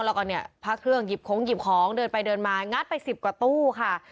แล้วก็เนี่ยพระเครื่องหยิบของหยิบของเดินไปเดินมางัดไป๑๐กว่าตู้ค่ะ